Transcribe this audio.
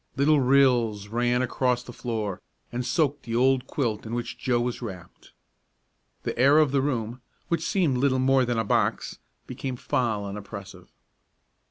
Little rills ran across the floor, and soaked the old quilt in which Joe was wrapped. The air of the room, which seemed little more than a box, became foul and oppressive.